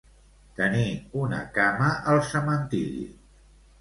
Tenir una cama al cementiri.